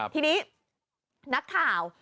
ทีนี้นักข่าว